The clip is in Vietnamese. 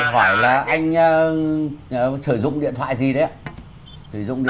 xin được hỏi là anh sử dụng điện thoại gì đấy